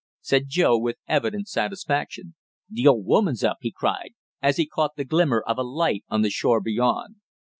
said Joe with evident satisfaction. "The old woman's up!" he cried, as he caught the glimmer of a light on the shore beyond.